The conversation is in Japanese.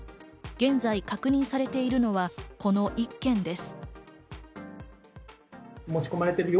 現在、確認されているのはこの１件です。